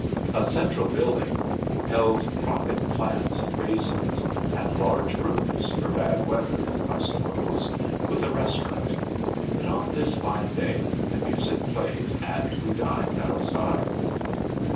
A central building held tropic plants and basins, and large rooms for bad weather, I suppose, with a restaurant; but on this fine day the music played and we dined outside.